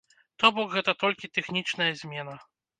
То бок гэта толькі тэхнічная змена.